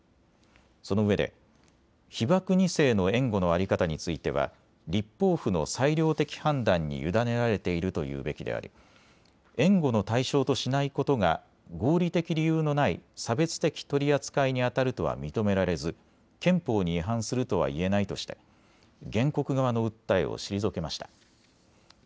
そのうえで被爆２世の援護の在り方については立法府の裁量的判断に委ねられているというべきであり援護の対象としないことが合理的理由のない差別的取り扱いにあたるとは認められず憲法に違反するとはいえないとして原告側の訴えを退けました。